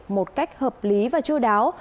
một cách hợp lý và chú đáo